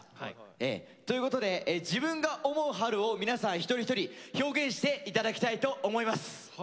ええ。ということで自分が思う春を皆さん一人一人表現して頂きたいと思います。